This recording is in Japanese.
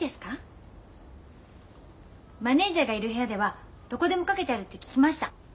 マネージャーがいる部屋ではどこでも掛けてあるって聞きました。